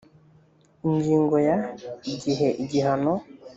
ingingo ya…: igihe igihano